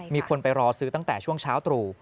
มีคนไปรอซื้อตั้งแต่ช่วงเช้าตรู่